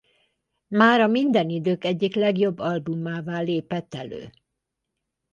Mára minden idők egyik legjobb albumává lépett elő.